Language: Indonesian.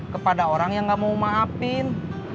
kepada orang yang gak mau maafin